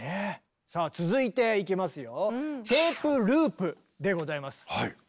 さあ続いていきますよ。